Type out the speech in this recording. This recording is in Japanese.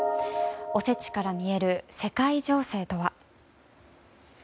おせちから見える世界情勢とは。